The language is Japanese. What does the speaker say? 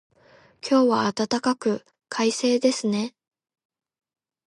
今日は暖かく、快晴ですね。